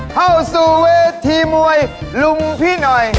เข้าสู่เวทีมวยลุงพี่หน่อย